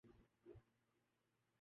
جیسے یہ کوئی گلی ڈنڈے کا کھیل ہو۔